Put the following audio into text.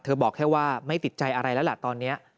บอกแค่ว่าไม่ติดใจอะไรแล้วล่ะตอนนี้